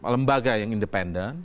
lembaga yang independen